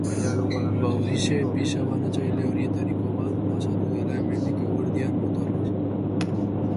Ba horixe, pizza-banatzaile horietariko bat pasatu dela hemendik eguerdian motorrez.